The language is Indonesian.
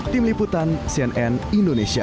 tim liputan cnn indonesia